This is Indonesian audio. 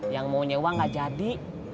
yang mau nyewa gak jadi